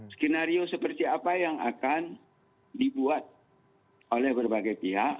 skenario seperti apa yang akan dibuat oleh berbagai pihak